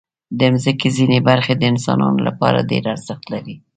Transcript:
د مځکې ځینې برخې د انسانانو لپاره ډېر ارزښت لري.